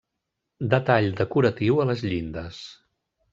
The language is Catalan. Detall decoratiu a les llindes.